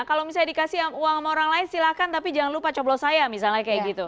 kalau misalnya dikasih uang sama orang lain silahkan tapi jangan lupa coblos saya misalnya kayak gitu